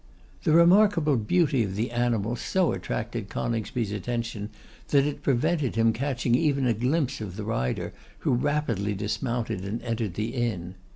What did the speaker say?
The remarkable beauty of the animal so attracted Coningsby's attention that it prevented him catching even a glimpse of the rider, who rapidly dismounted and entered the inn.